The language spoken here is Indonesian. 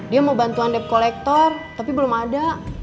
dia mau bantuan debt collector tapi belum ada